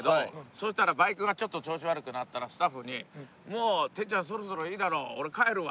そしたらバイクがちょっと調子悪くなったらスタッフに「てっちゃんそろそろいいだろ俺帰るわ」って。